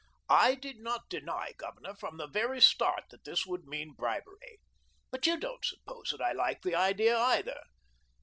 "I did not deny, Governor, from the very start that this would mean bribery. But you don't suppose that I like the idea either.